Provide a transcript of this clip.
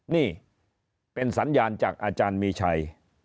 นี่เป็นสัญญาณจากอาจารย์มีชัย